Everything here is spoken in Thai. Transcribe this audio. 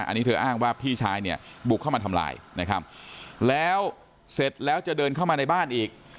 อันนี้เธออ้างว่าพี่ชายเนี่ยบุกเข้ามาทำลายนะครับแล้วเสร็จแล้วจะเดินเข้ามาในบ้านอีก